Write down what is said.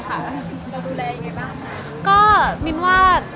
เราดูแลยังไงบ้าง